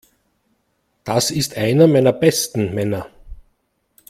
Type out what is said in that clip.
Das ist einer meiner besten Männer.